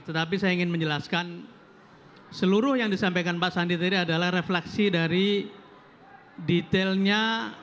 tetapi saya ingin menjelaskan seluruh yang disampaikan pak sandi tadi adalah refleksi dari detailnya